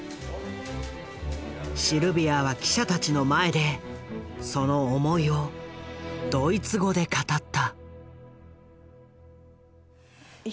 シルビアは記者たちの前でその思いをドイツ語で語った。